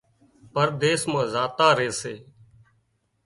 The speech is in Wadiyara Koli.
پرديس مان زاتان ري سي